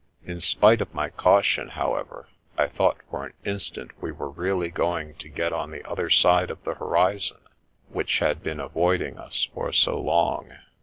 In spite of my caution, however, I thought for an instant we were really going to get on the other side of the horizon, which had been avoiding us for so long.